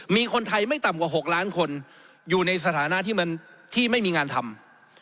มีคนไทยไม่ต่ำกว่า๖ล้านคนอยู่ในสถานะที่มันที่ไม่มีงานทำ